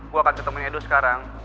gue akan ketemuin edo sekarang